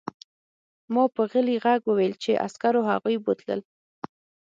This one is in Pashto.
ما په غلي غږ وویل چې عسکرو هغوی بوتلل